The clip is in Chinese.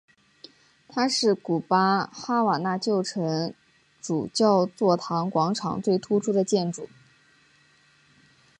它是古巴哈瓦那旧城主教座堂广场最突出的建筑。